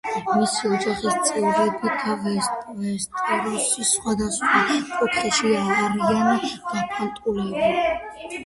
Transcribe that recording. მისი ოჯახის წევრები ვესტეროსის სხვადასხვა კუთხეში არიან გაფანტულები.